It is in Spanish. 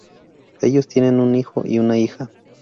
Ellos tienen un hijo y una hija.